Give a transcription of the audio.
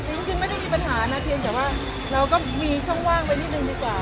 จริงไม่ได้มีปัญหานะเพียงแต่ว่าเราก็มีช่องว่างไปนิดนึงดีกว่า